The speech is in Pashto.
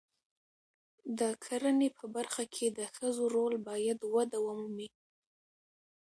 د کرنې په برخه کې د ښځو رول باید وده ومومي.